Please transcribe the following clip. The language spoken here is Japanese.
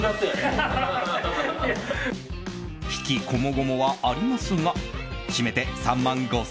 悲喜こもごもはありますがしめて３万５０００円。